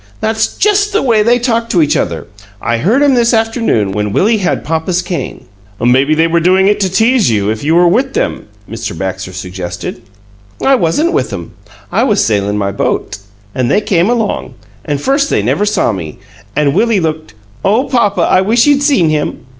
"That's just the way they talked to each other. I heard 'em this afternoon, when Willie had papa's cane." "Maybe they were doing it to tease you, if you were with them," Mr. Baxter suggested. "I wasn't with 'em. I was sailin' my boat, an' they came along, an' first they never saw me, an' Willie looked oh, papa, I wish you'd seen him!"